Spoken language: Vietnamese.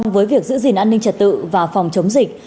với việc giữ gìn an ninh trật tự và phòng chống dịch